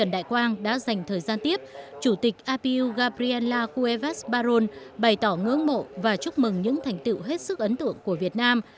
đại quan đã dành thời gian tiếp chủ tịch apu gabriela cuevas barón bày tỏ ngưỡng mộ và chúc mừng những thành tựu hết sức ấn tượng của việt nam